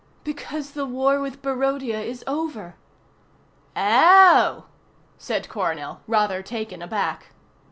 "Because the war with Barodia is over." "Oh!" said Coronel, rather taken aback.